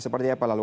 seperti apa lalu